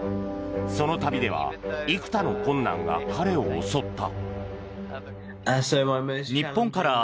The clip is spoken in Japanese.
その旅では幾多の困難が彼を襲った。